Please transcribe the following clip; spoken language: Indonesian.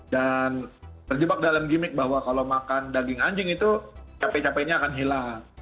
dan terjebak dalam gimmick bahwa kalau makan daging anjing itu capek capeknya akan hilang